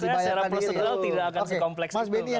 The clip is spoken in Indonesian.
ya saya secara prosedural tidak akan mencari